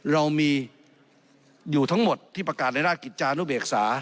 เรามีอยู่ทั้งหมดที่ประกาศในราชกิจจานุเบกษา